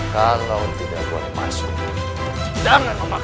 kalau tidak boleh masuk jangan memaksa